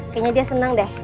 kayaknya dia seneng deh